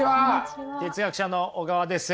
哲学者の小川です。